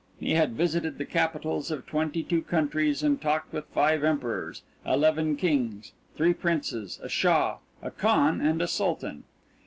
He had visited the capitals of twenty two countries and talked with five emperors, eleven kings, three princes, a shah, a khan, and a sultan.